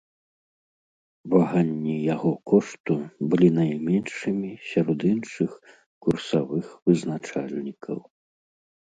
Ваганні яго кошту былі найменшымі сярод іншых курсавых вызначальнікаў.